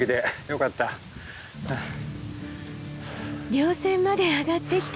稜線まで上がってきた。